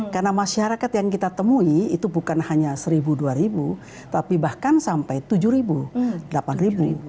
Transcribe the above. karena masyarakat yang kita temui itu bukan hanya seribu dua ribu tapi bahkan sampai tujuh ribu delapan ribu